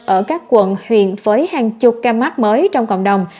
ở các quận huyện với hàng chục ca mắc mới trong cộng đồng